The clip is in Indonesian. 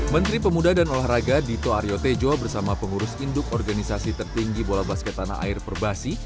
menteri pemuda dan olahraga dito aryo tejo bersama pengurus induk organisasi tertinggi bola basket tanah air perbasi